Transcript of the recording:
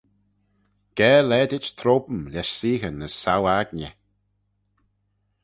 Ga laadit trome lesh seaghyn as sou-aigney.